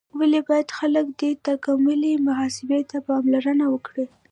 ولې باید خلک دې تکاملي محاسبې ته پاملرنه وکړي؟